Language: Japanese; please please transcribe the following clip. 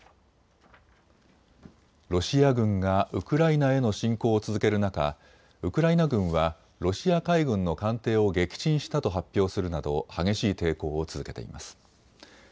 ロシア軍がウクライナへの侵攻を続ける中、ウクライナ軍はロシア海軍の艦艇を撃沈したと発表するなど激しい抵抗を続けています。